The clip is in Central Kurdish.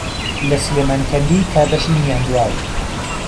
له سلێمانکهندی تا بهشی میاندواو